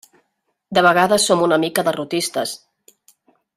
De vegades som una mica derrotistes.